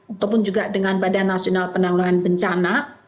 ataupun juga dengan badan nasional penanggulangan bencana